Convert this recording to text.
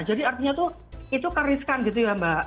jadi artinya itu itu keriskan gitu ya mbak